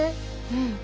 うん。